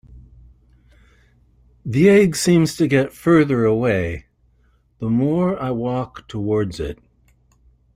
The egg seems to get further away the more I walk towards it.